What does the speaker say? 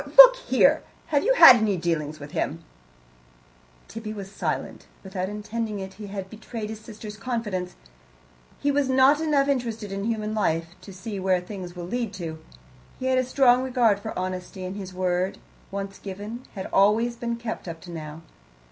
Or look here have you had any dealings with him?" Tibby was silent. Without intending it, he had betrayed his sister's confidence; he was not enough interested in human life to see where things will lead to. He had a strong regard for honesty, and his word, once given, had always been kept up to now.